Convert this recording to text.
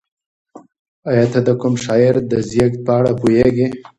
ایا ته د کوم شاعر د زېږد په اړه پوهېږې؟